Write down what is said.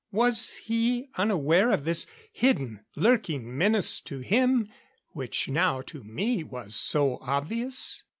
Was he unaware of this hidden, lurking menace to him, which now, to me, was so obvious?